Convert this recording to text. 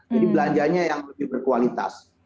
jadi belanjanya yang lebih berkualitas